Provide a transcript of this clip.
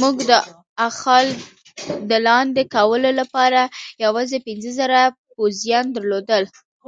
موږ د اخال د لاندې کولو لپاره یوازې پنځه زره پوځیان درلودل.